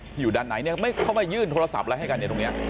ที่อยู่ด้านไหนเขาไม่เข้ามายื่นโทรศัพท์อะไรให้กัน